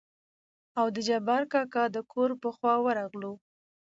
او د جبار کاکا دکور په خوا ورغلو.